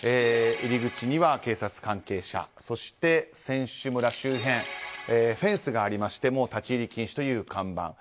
入り口には警察関係者そして選手村周辺フェンスがありまして立ち入り禁止という看板。